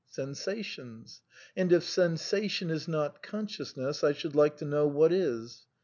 Sensations; and if sensation is not con sciousness I should like to know what is.